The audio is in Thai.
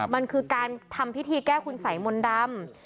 มันคือการทำพิธีแก้คุณสัยมนต์ดำ